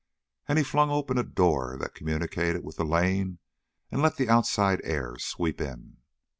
And he flung open a door that communicated with the lane and let the outside air sweep in.